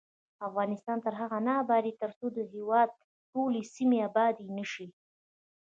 افغانستان تر هغو نه ابادیږي، ترڅو د هیواد ټولې سیمې آبادې نه شي.